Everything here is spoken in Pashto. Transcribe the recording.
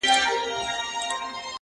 زه تر هغه گړيه روح ته پر سجده پرېوځم _